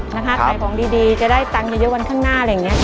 นะค่ะขายผลของดีจะได้เงินเทียววันข้างหน้า